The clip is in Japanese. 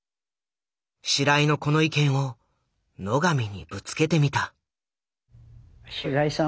白井のこの意見を野上にぶつけてみた。